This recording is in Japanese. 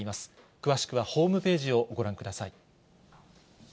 詳しくはホームページをご覧ください。